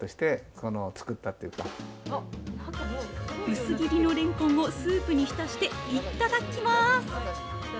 薄切りのレンコンをスープに浸して、いただきます。